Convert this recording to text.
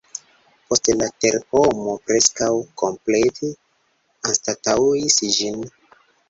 Poste la terpomo preskaŭ komplete anstataŭis ĝin.